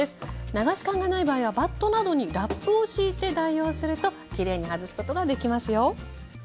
流し函がない場合はバットなどにラップを敷いて代用するときれいに外すことができますよ。